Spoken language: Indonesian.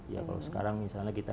ya kalau sekarang misalnya kita